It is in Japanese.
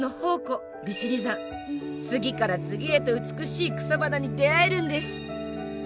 次から次へと美しい草花に出会えるんです！